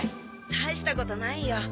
大したことないよ。